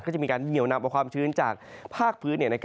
ก็จะมีการเหนียวนำเอาความชื้นจากภาคพื้น